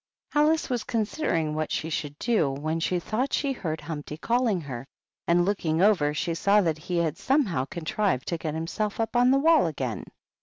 Alice was considering what she should do, when she thought she heard Humpty calling her, and looking over she saw that he had somehow con trived to get himself up on the wall again.